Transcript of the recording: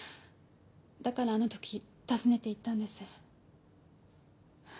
だからあのとき訪ねていったんです。